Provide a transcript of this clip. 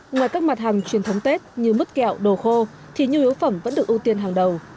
ngoài các mặt hàng truyền thống tết như mứt kẹo đồ khô thì nhu yếu phẩm vẫn được ưu tiên hàng đầu